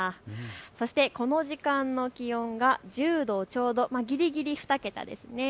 そしてこの時間の気温は１０度ちょうどぎりぎり２桁ですね。